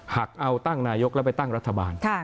หักเอาตั้งนายกแล้วไปตั้งรัฐบาล